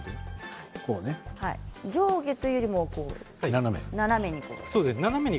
上下というよりも斜めに。